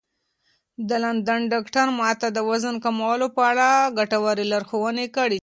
د لندن ډاکتر ما ته د وزن کمولو په اړه ګټورې لارښوونې کړې وې.